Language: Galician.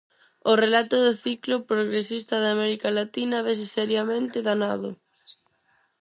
O relato do ciclo progresista de América Latina vese seriamente danado.